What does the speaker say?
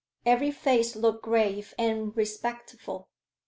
Every face looked grave and respectful.